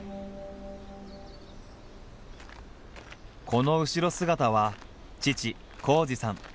この後ろ姿は父紘二さん。